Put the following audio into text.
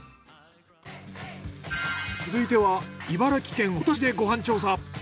続いては茨城県鉾田市でご飯調査。